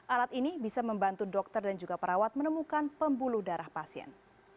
alat ini bisa membantu dokter dan juga perawat menemukan pembuluh darah pasien